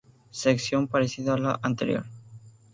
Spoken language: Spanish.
Sección parecida a la anterior.